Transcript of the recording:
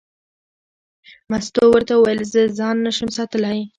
مستو ورته وویل: زه ځان نه شم ساتلی.